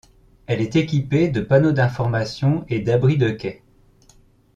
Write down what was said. Elle est équipée de panneaux d'informations et d'abris de quai.